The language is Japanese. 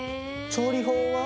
調理法は？